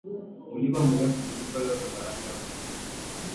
mlima mrefu kuliko yote barani Afrika